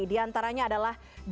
di antaranya adalah jadwal